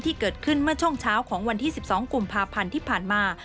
ที่เกิดขึ้นเมื่อช่วงเช้าของวันที่๑๒กุมภาพันธ์ที่ผ่านมา